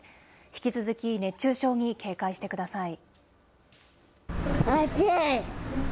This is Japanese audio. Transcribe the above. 引き続き熱中症に警戒してください。